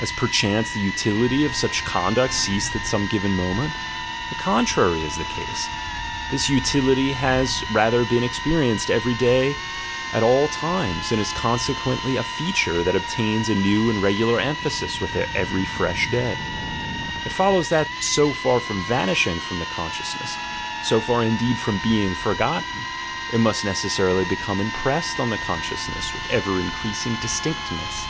Has perchance the utility of such conduct ceased at some given moment? The contrary is the case. This utility has rather been experi enced every day at all times, and is consequently a feature that obtains a new and regular emphasis with every fresh day; it follows that, so far from vanishing from the consciousness, so far indeed from being forgotten, it must necessarily become impressed on the consciousness with ever increasing distinctness.